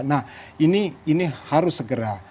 nah ini harus segera